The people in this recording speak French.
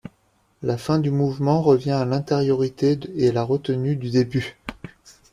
La fin du mouvement revient à l'intériorité et la retenue du début.